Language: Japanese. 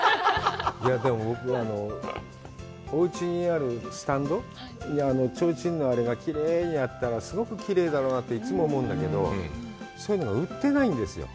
でも、僕、おうちにあるスタンドにちょうちんのあれがきれいにあったらすごくきれいだろうなっていつも思うんだけど、そういうのが売ってないんですよ。